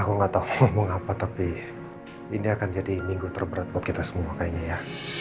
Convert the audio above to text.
aku nggak tahu mengapa tapi ini akan jadi minggu terberat buat kita semua kayaknya ya